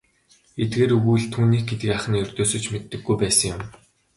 Эдгээр өгүүлэл түүнийх гэдгийг ах нь ердөөсөө ч мэддэггүй байсан юм.